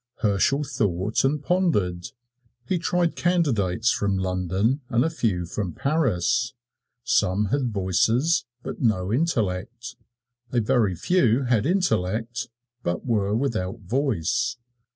Herschel thought and pondered. He tried candidates from London and a few from Paris. Some had voices, but no intellect. A very few had intellect, but were without voice.